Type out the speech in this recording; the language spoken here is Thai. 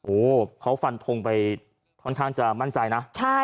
โอ้โหเขาฟันทงไปค่อนข้างจะมั่นใจนะ